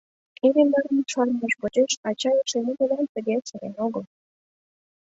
Иллимарын шарнымыж почеш ача эше нигунам тыге сырен огыл.